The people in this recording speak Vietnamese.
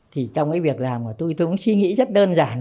thì trong cái việc làm của tôi tôi cũng suy nghĩ rất đơn giản